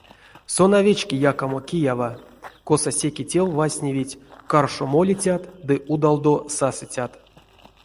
Сон а вечки якамо киява, косо секе тев вастневить каршо молицят ды удалдо сасыцят.